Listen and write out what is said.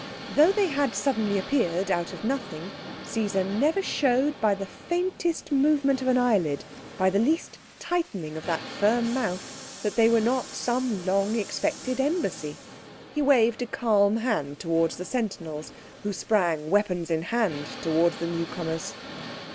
Though they had suddenly appeared out of nothing, Caesar never showed by the faintest movement of an eyelid, by the least tightening of that firm mouth, that they were not some long expected embassy. He waved a calm hand towards the sentinels, who sprang weapons in hand towards the newcomers.